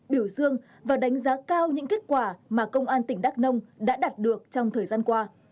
biểu dương và đánh giá cao những kết quả mà công an tỉnh đắk nông đã đạt được trong thời gian qua